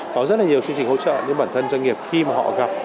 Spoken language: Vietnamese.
có rất là nhiều chương trình hỗ trợ nhưng bản thân doanh nghiệp khi mà họ gặp